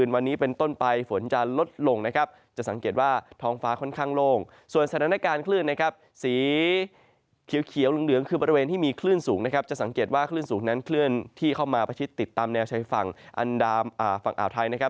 ว่าเคลื่อนสูงนั้นเคลื่อนที่เข้ามาประชิดติดตามแนวชายฝั่งอันดามฝั่งอาบไทยนะครับ